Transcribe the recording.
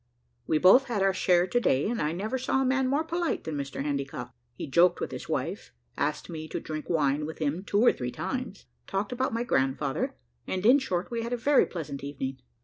We both had our share to day, and I never saw a man more polite than Mr Handycock. He joked with his wife, asked me to drink wine with him two or three times, talked about my grandfather; and, in short, we had a very pleasant evening.